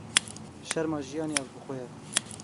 Şerma jiyanê ev bi xwe ye.